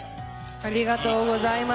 ありがとうございます。